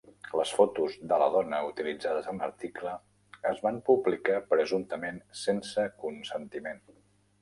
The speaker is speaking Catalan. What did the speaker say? Les fotos de la dona utilitzades en l'article es van publicar presumptament sense consentiment.